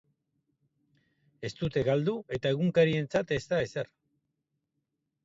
Ez dute galdu eta egunkarientzat ez da ezer.